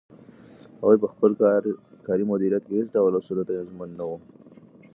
هغوی په خپل کاري مدیریت کې هیڅ ډول اصولو ته ژمن نه وو.